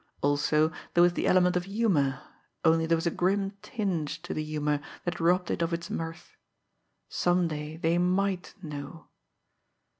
Also there was the element of humour, only there was a grim tinge to the humour that robbed it of its mirth some day they might know!